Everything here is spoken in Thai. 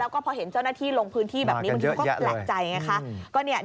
แล้วก็พอเห็นเจ้าหน้าที่ลงพื้นที่แบบนี้มันก็เปลี่ยนใจ